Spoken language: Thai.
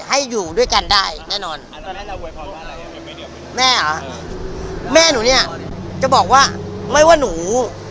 ให้อยู่ด้วยกันได้แน่นอนแม่หรอแม่หนูเนี้ยจะบอกว่าไม่ว่าหนู